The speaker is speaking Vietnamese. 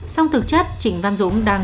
song thực chất trịnh văn dũng đang